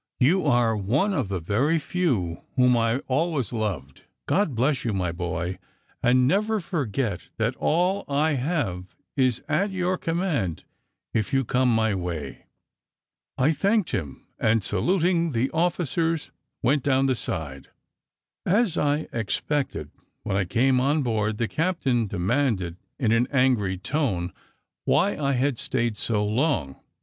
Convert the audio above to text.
You are one of the very few whom I always loved. God bless you, my boy! and never forget that all I have is at your command if you come my way." I thanked him, and, saluting the officers, went down the side. As I expected, when I came on board, the captain demanded, in an angry tone, why I had stayed so long.